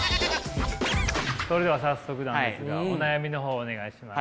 それでは早速なんですがお悩みの方お願いします。